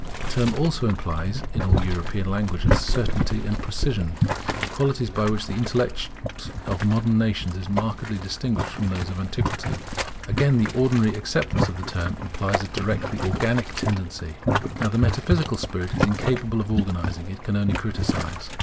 The term also implies in all European languages, certainty and precision, qualities by which the intellect of modern nations is markedly distinguished from that of antiquity. Again, the ordinary acceptation of the term implies a directly organic tendency. Now the metaphysical spirit is incapable of organizing; it can only criticize.